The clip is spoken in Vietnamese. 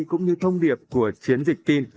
cũng như thông điệp của chiến dịch tin